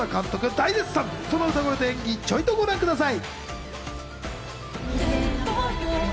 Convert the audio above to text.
大絶賛、その歌声と演技、ちょっとだけご覧ください。